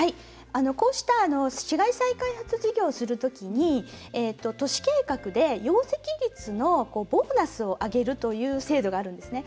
こうした市街地再開発事業をする時に都市計画で容積率のボーナスを上げるという制度があるんですね。